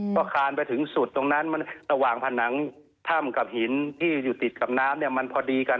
พอคานไปถึงสุดตรงนั้นมันระหว่างผนังถ้ำกับหินที่อยู่ติดกับน้ำเนี่ยมันพอดีกัน